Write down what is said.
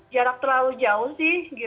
jarak terlalu jauh sih